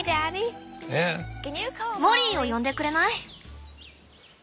モリーを呼んでくれない？